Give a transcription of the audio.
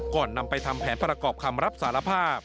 นำไปทำแผนประกอบคำรับสารภาพ